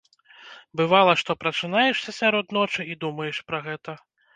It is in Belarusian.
Бывала, што прачынаешся сярод ночы і думаеш пра гэта.